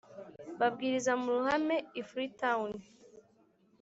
Babwiriza mu ruhame i freetown